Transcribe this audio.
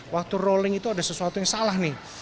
waktu rolling itu ada sesuatu yang salah nih